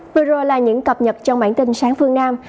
vừa rồi là những cập nhật trong bản tin sáng phương nam